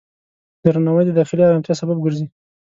درناوی د داخلي آرامتیا سبب ګرځي.